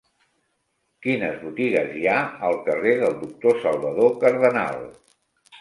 Quines botigues hi ha al carrer del Doctor Salvador Cardenal?